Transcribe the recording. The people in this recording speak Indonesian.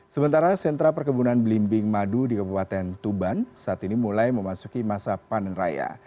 sementara sentra perkebunan belimbing madu di kabupaten tuban saat ini mulai memasuki masa panen raya